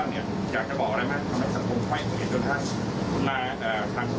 หวัดน้องหักบ้างหรืออะไรอย่างไรบ้าง